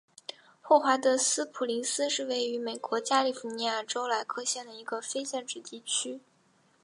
霍华德斯普林斯是位于美国加利福尼亚州莱克县的一个非建制地区。